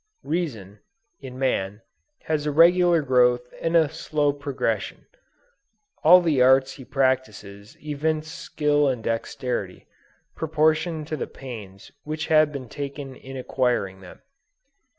Reason, in man, has a regular growth and a slow progression; all the arts he practices evince skill and dexterity, proportioned to the pains which have been taken in acquiring them.